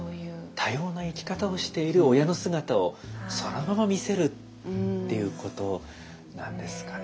多様な生き方をしている親の姿をそのまま見せるっていうことなんですかね。